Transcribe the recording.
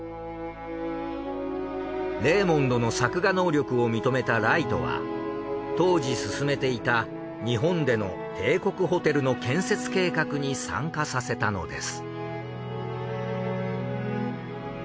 レーモンドの作画能力を認めたライトは当時進めていた日本での帝国ホテルの建設計画に参加させたのです。